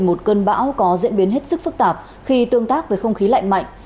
một cơn bão có diễn biến hết sức phức tạp khi tương tác với không khí lạnh mạnh